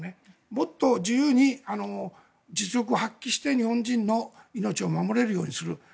もっと自由に実力を発揮して日本人の命を守れるようにする。